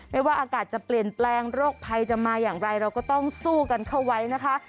ไม่ว่าอากาศจะเปลี่ยนแปลงโรคภัยจะมาอย่างไรเราก็ต้องสู้กันเข้าไว้นะคะ